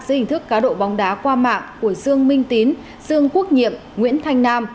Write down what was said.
giữa hình thức cá độ bóng đá qua mạng của sương minh tín sương quốc nhiệm nguyễn thanh nam